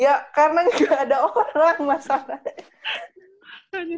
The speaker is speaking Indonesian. ya karena juga ada orang masalahnya